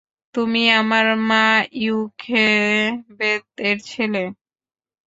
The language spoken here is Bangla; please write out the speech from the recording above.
তুমি আমার মা ইওখেভেদ এর ছেলে।